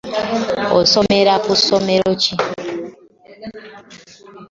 Osemera ku ssomero ki?